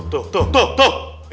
tuh tuh tuh tuh tuh